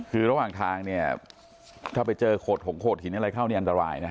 คือระหว่างทางเนี่ยถ้าไปเจอโขดหงโขดหินอะไรเข้านี่อันตรายนะ